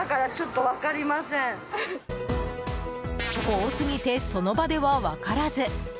多すぎてその場では分からず。